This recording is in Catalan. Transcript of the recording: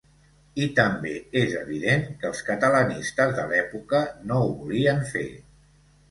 I també és evident que els catalanistes de l’època no ho volien fer.